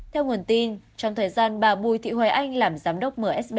theo nguồn tin trong thời gian bà bùi thị hoài anh làm giám đốc msb